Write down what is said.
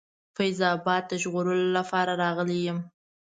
فیض آباد د ژغورلو لپاره راغلی یم.